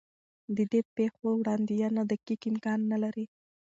د دې پېښو وړاندوینه دقیق امکان نه لري.